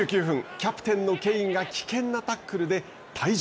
キャプテンのケインが危険なタックルで退場。